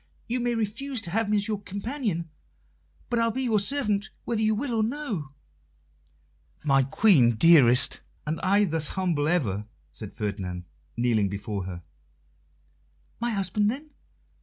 You may refuse to have me as your companion, but I'll be your servant, whether you will or no." "My Queen, dearest, and I thus humble ever," said Ferdinand, kneeling before her. "My husband, then?"